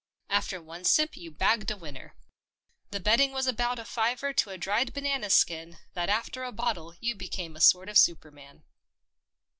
After one sip you bagged a winner. The betting was about a fiver to a dried banana skin that after a bottle you became a sort of superman.